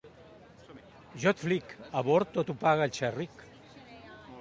Jo et flic!... a bord, tot ho paga el xerric.